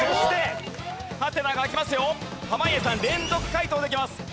濱家さん連続解答できます。